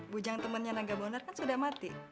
bujang temannya naga monar kan sudah mati